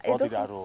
oh tidak harus